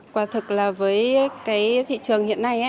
quả thực là với thị trường hiện nay